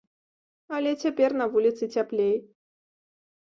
Але цяпер на вуліцы цяплей.